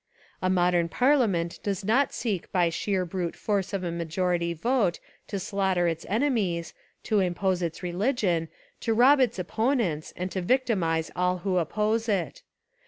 A modern parliament does not seek by the sheer brute force of a majority vote to slaughter its enemies, to impose its religion, to rob its opponents, and to victimize all who oppose it.